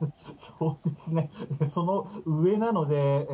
その上なので。